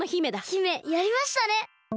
姫やりましたね！